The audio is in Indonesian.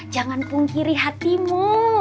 jangan pungkiri hatimu